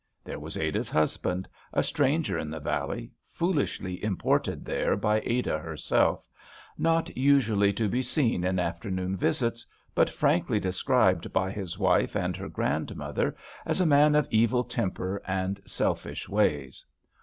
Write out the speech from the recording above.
There was Ada's husband, a stranger in the valley, foolishly imported there by Ada herself, not usually to be seen in afternoon visits, but frankly described by his wife and her grandmother as a man of evil temper and selfish ways.